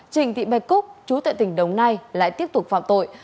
trịnh tị bạch cúc chú tệ tỉnh đồng nai lại tiếp tục phạm tội